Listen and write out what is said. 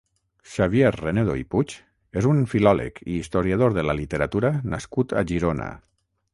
Xavier Renedo i Puig és un filòleg i historiador de la literatura nascut a Girona.